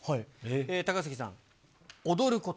高杉さん、踊ること。